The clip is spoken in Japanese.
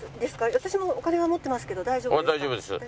私もお金は持ってますけど大丈夫ですか？